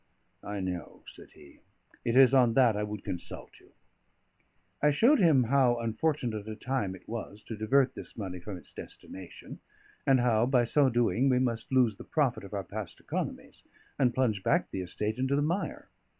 "I know," said he; "it is on that I would consult you." I showed him how unfortunate a time it was to divert this money from its destination; and how, by so doing, we must lose the profit of our past economies, and plunge back the estate into the mire.